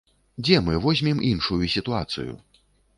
Дзе мы возьмем іншую сітуацыю?